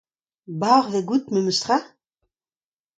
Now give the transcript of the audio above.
Barvek out memes tra.